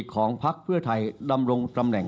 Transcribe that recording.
ของพักเพื่อไทย